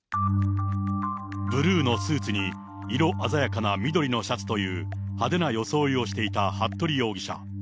ブルーのスーツに色鮮やかな緑のシャツという派手な装いをしていた服部容疑者。